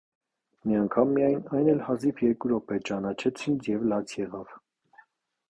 Մի անգամ միայն- այն էլ հազիվ երկու րոպե- ճանաչեց ինձ և լաց եղավ: